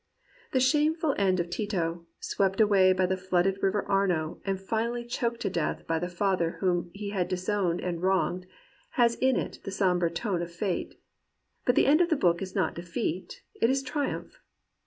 The shameful end of Tito, swept away by the flooded river Arno and finally choked to death by the father whom he had disowned and \\Tonged, has in it the sombre tone of Fate. But the end of the book is not defeat; it is triumph.